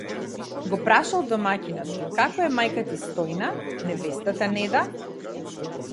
го прашал домаќинот, како е мајка ти Стојна, невестата Неда?